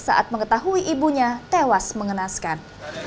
saat mengetahui ibunya tewas mengenaskan